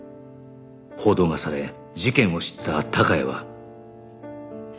報道がされ事件を知った孝也は